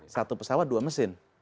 satu pesawat dua mesin